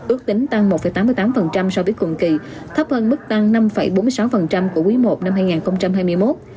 ước tính tăng một tám mươi tám so với cùng kỳ thấp hơn mức tăng năm bốn mươi sáu của quý i năm hai nghìn hai mươi một